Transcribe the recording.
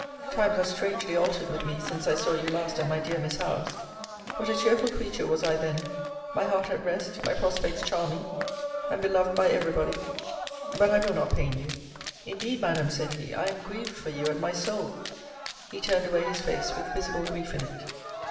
times are strangely altered with me since I saw you last at my dear Miss Howe's! What a cheerful creature was I then! my heart at rest! my prospects charming! and beloved by every body! but I will not pain you! Indeed, Madam, said he, I am grieved for you at my soul. He turned away his face, with visible grief in it.